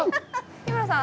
日村さん